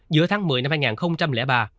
giữa tháng một mươi năm hai nghìn ba